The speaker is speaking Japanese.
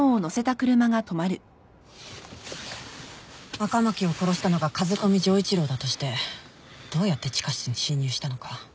赤巻を殺したのが風富城一郎だとしてどうやって地下室に侵入したのか。